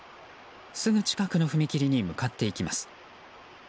すぐ近くの踏切に向かっていきます。